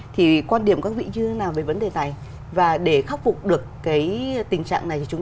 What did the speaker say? thì quan điểm các vị như thế nào về vấn đề này và để khắc phục được cái tình trạng này thì chúng